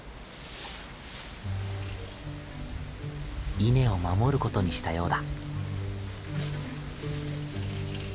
稲を守ることにしたようだ。